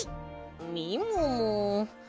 みもも。